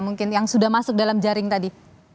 mungkin yang sudah masuk dalam jaring tadi